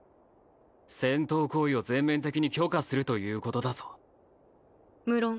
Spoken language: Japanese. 戦闘行為を全面的に許可するということだぞ無論